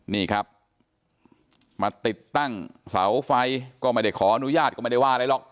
นี่ครับมาติดตั้งเสาไฟก็ไม่ได้ขออนุญาตก็ไม่ได้ว่าอะไรหรอก